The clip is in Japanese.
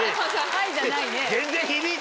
「はい」じゃないね。